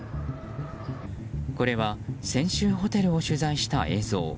これは先週ホテルを取材した映像。